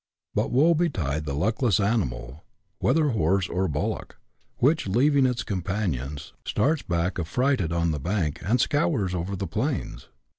But woe betide the luckless animal, whether horse or bul lock, which, leaving its companions, starts back affrighted on the bank, and scours over the plains